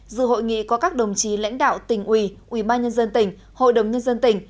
dự hội nghị có các đồng chí lãnh đạo tỉnh ủy ủy ban nhân dân tỉnh hội đồng nhân dân tỉnh